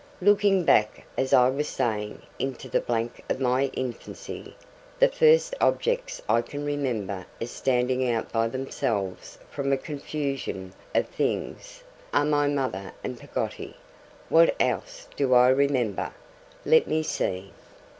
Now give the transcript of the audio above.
Looking back, as I was saying, into the blank of my infancy, the first objects I can remember as standing out by themselves from a confusion of things, are my mother and Peggotty. What else do I remember? Let me see.